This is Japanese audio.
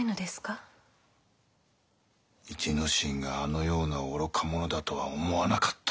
一之進があのような愚か者だとは思わなかった。